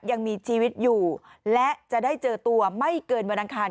ยังมีชีวิตอยู่และจะได้เจอตัวไม่เกินวันอังคาร